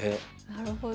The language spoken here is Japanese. なるほど。